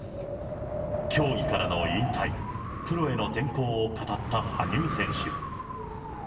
競技からの引退、プロへの転向を語った羽生選手。